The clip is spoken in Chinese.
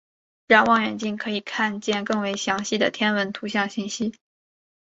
让望远镜可以看见更为详细的天文图像信息。